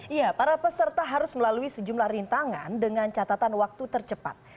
iya para peserta harus melalui sejumlah rintangan dengan catatan waktu tercepat